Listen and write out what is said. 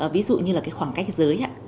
ví dụ như là cái khoảng cách giới ạ